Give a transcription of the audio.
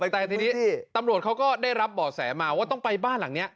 แต่ทีนี้ตำรวจเขาก็ได้รับบ่อแสมาว่าต้องไปบ้านหลังนี้